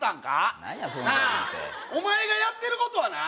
なあお前がやってることはな